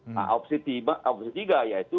nah opsi tiga yaitu